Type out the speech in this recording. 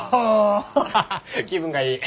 ハハハ気分がいい。